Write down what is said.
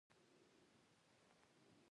د افغانستان په زړه کې د کابل ښکلی ښار شتون لري.